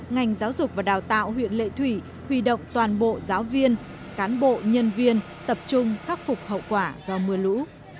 ngành giáo dục và đào tạo huyện lệ thủy huy động toàn bộ giáo viên cán bộ nhân viên tập trung khắc phục hậu quả do mưa lũ